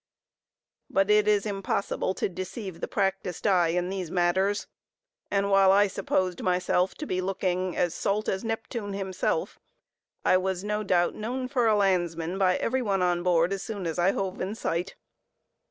But it is impossible to deceive the practised eye in these matters; and while I supposed myself to be looking as salt as Neptune himself, I was, no doubt, known for a landsman by every one on board as soon as I hove in sight.